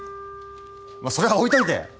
まあそれは置いといて。